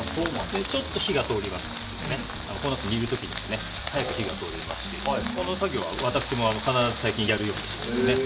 ちょっと火が通りますとこのあと煮る時に早く火が通りますしこの作業は、私も最近必ずするようにしています。